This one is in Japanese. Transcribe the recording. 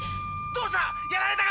「どうした。